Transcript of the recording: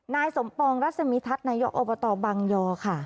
นายสมปองรัศมิทัศน์นายกอบตบังยอค่ะ